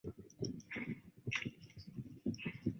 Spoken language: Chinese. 黎培銮家族对近现代文化科技事业发挥了深远的影响。